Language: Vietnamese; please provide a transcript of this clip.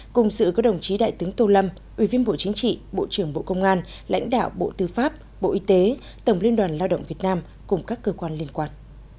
cùng sự có đồng chí đại tướng tô lâm ủy viên bộ chính trị bộ trưởng bộ công an lãnh đạo bộ tư pháp bộ y tế tổng liên đoàn lao động việt nam cùng các cơ quan liên quan